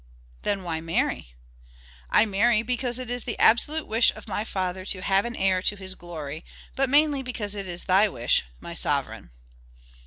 "Then why marry?" "I marry because it is the absolute wish of my father to have an heir to his glory, but mainly because it is thy wish, my sovereign."